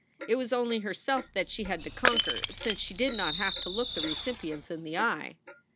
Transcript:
It was only herself that she had to conquer, since she did not have to look the recipients in the eye.